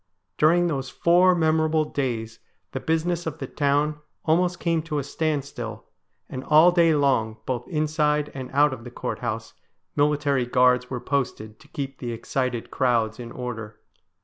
During those four memorable days the business of the town almost came to a standstill, and all day long both inside and out of the Courthouse military guards were posted to keep the excited crowds in order.